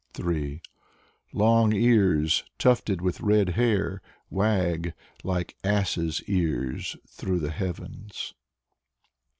3 Long ears, Tufted with red hair, Wag Like asses' ears Through the heavens!